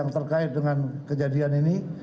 terkait dengan kejadian ini